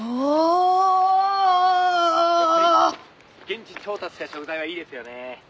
「現地調達した食材はいいですよね」